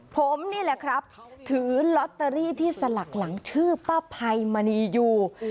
ผมนี่แหละครับถือลอตเตอรี่ที่สลักหลังชื่อป้าภัยมณีอยู่